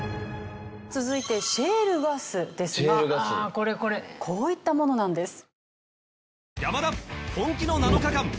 続いてシェールガスですがこういったものなんです。